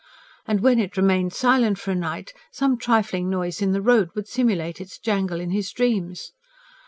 And when it remained silent for a night, some trifling noise in the road would simulate its jangle in his dreams.